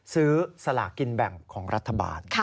ซื้อสลากินแบ่งของรัฐบาล